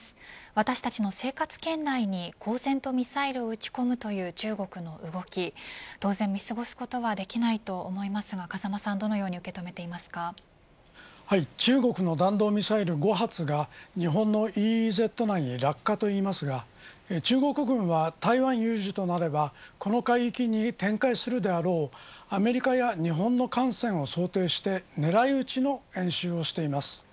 私たちの生活圏内に公然とミサイルを撃ち込むという中国の動き当然見過ごすことはできないと思いますが、風間さんは中国の弾道ミサイル５発が日本のＥＥＺ内に落下と言いますが中国軍は台湾有事となればこの海域に展開するであろうアメリカや日本の艦船を想定して狙い撃ちの演習をしています。